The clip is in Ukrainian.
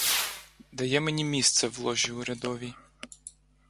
Дає мені місце в ложі урядовій.